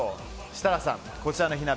設楽さん、こちらの火鍋